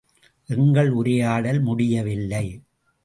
எங்கள் உரையாடல் முடியவில்லை.